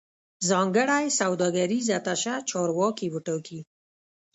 ځانګړی سوداګریز اتشه چارواکي وټاکي